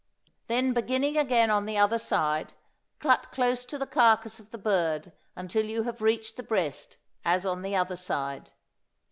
Then beginning again on the other side, cut close to the carcass of the bird until you have reached the breast, as on the other side.